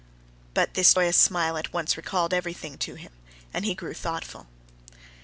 But this joyous smile at once recalled everything to him, and he grew thoughtful.